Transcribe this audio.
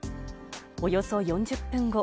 およそ４０分後。